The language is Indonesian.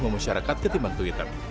memasyarakat ketimbang twitter